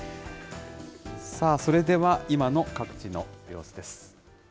それでは今の各地の様子です。